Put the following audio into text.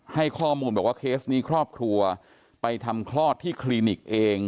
ให้ข้อมูลบอกว่าเคสนี้ครอบครัวไปทำคลอดที่คลินิกเอง